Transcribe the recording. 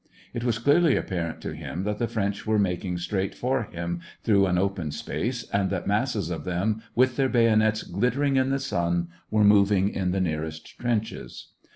It was clearly apparent to him that the French were making straight for him through an open space, and that masses of them, with their bayo nets glittering in the sun, were moving in the nearest trenches.